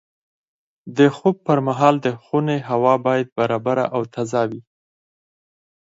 د خوب پر مهال د خونې هوا باید برابره او تازه وي.